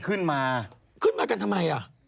ขึ้นมากันทำไมอะ